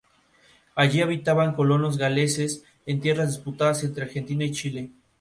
Allí habitaban colonos galeses en tierras disputadas entre Argentina y Chile.